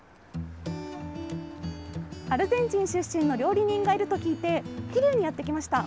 アルゼンチン出身の料理人がいると聞いて桐生にやってきました。